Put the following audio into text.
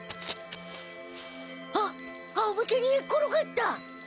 あっあおむけにねっころがった！